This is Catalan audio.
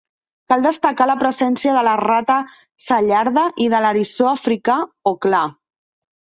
Cal destacar la presència de la rata cellarda i de l'eriçó africà o clar.